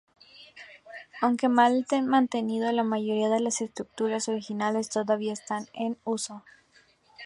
Aunque mal mantenido, la mayoría de las estructuras originales todavía están en uso.